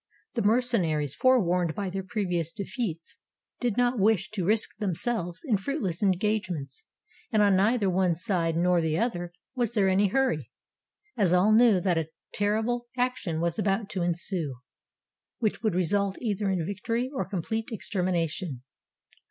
The mercenaries, forewarned by their previous defeats, did not wish to risk themselves in fruitless engagements; and on neither one side nor the other was there any hurry, as all knew that a terrible action was about to ensue, which would result either in victory or complete extermination.